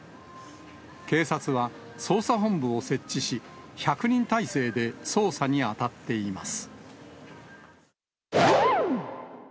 警察は、捜査本部を設置し、１００人態勢で捜査に当たっています。